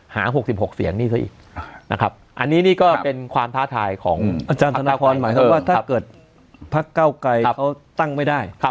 ๖๖เสียงนี่ซะอีกนะครับอันนี้นี่ก็เป็นความท้าทายของอาจารย์ธนทรหมายถึงว่าถ้าเกิดพักเก้าไกรเขาตั้งไม่ได้